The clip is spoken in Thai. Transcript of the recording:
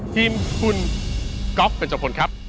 ทีมคุณก๊อกเป็นสำคัญครับ